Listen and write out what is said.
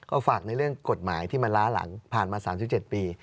ก็ฝากในเรื่องกฎหมายที่มันล้าหลังผ่านมา๓๗ปี